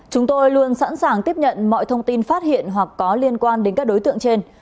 chúng tôi luôn sẵn sàng tiếp nhận mọi thông tin phát hiện hoặc có liên quan đến các đối tượng trên